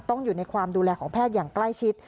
อยู่ในความดูแลของแพทย์อย่างใกล้ชิด